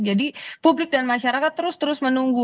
jadi publik dan masyarakat terus terus menunggu